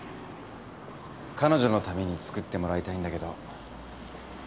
彼女のために作ってもらいたいんだけど。